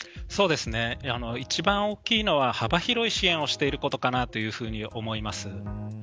一番大きいのは、幅広い支援をしていることかなと思います。